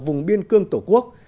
vùng biên cương tổ quốc